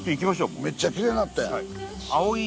めっちゃきれいなったやん。